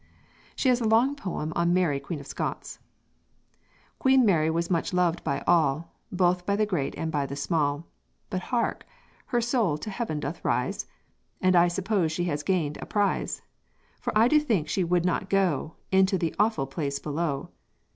She has a long poem on Mary Queen of Scots: "Queen Mary was much loved by all, Both by the great and by the small, But hark! her soul to heaven doth rise? And I suppose she has gained a prize; For I do think she would not go Into the awful place below.